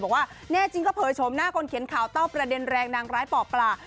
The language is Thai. บอกว่าแน่จริงก็เผยชมหน้าคนเขียนข่าวเต้าประเด็นแรงนางร้ายป่อปลา